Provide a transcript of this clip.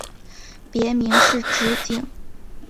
别名是直景。